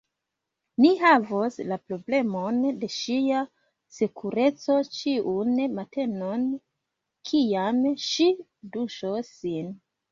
Ni havos la problemon de ŝia sekureco ĉiun matenon, kiam ŝi duŝos sin.